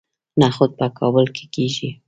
نخود په کابل کې کیږي